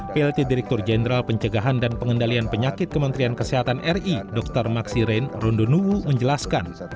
plt direktur jenderal pencegahan dan pengendalian penyakit kementerian kesehatan ri dr maksi ren rondonuwu menjelaskan